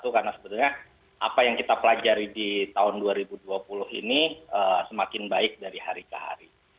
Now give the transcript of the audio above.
karena sebenarnya apa yang kita pelajari di tahun dua ribu dua puluh ini semakin baik dari hari ke hari